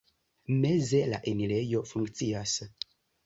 Meze la enirejo funkcias.